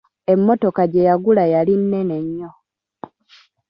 Emmotoka gye yagula yali nnene nnyo.